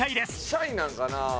シャイなんかな？